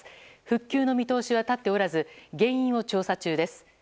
復旧の見通しは立っておらず原因を調査中です。